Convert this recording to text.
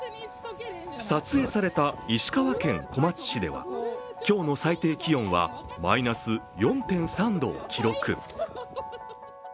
撮影された石川県小松市では今日の最低気温がマイナス４．３度を記録。